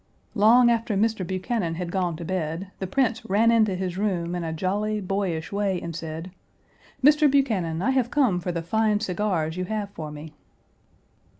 Long after Mr. Buchanan had gone to bed, the Prince ran into his room in a jolly, boyish way, and said: "Mr. Buchanan, I have come for the fine cigars you have for me."